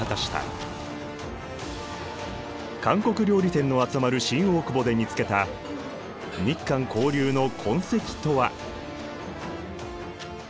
韓国料理店の集まる新大久保で見つけた日韓交流の痕跡とは？